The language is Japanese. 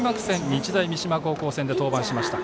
日大三島高校戦で登板しました。